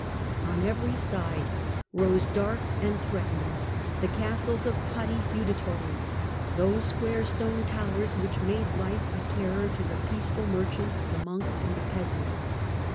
On every side rose, dark and threatening, the bastles of haughty feudatories, those square stone towers ^which made life a terror to the peaceful merchant, the tnonk, and the peasant.